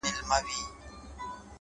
زه چي له چا سره خبري كوم.!